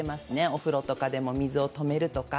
お風呂とかでも水を止めるとか。